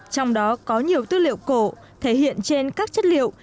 trong đó có nhiều tư liệu cổ thể hiện trên các chất liệu